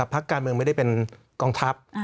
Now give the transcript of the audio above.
พักการเมืองไม่ได้เป็นกองทัพ